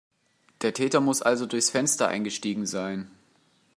Der Täter muss also durchs Fenster eingestiegen sein.